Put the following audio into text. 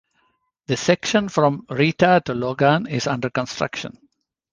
The section from Rita to Logan is under construction.